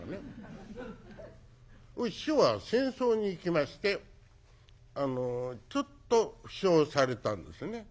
師匠は戦争に行きましてちょっと負傷されたんですね。